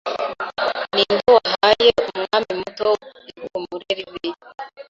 Ninde wahaye Umwami muto ihumure ribi